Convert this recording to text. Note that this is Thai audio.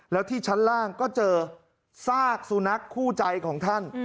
แล้วที่ชั้นล่างก็เจอซากสุนัขคู่ใจของท่าน